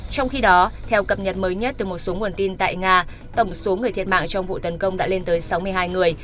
trong khi đó theo cập nhật mới nhất từ một số nguồn tin tại nga tổng số người thiệt mạng trong vụ tấn công đã lên tới sáu mươi hai người